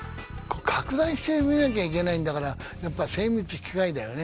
拡大して見なきゃいけないんだからやっぱ精密機械だよね。